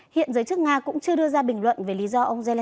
hiện giới chức nga cũng chưa đưa ra bình luận về lý do ông zelens